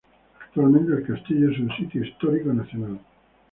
Actualmente el castillo es un Sitio Histórico Nacional.